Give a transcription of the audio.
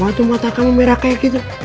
kenapa tuh mata kamu merah kayak gitu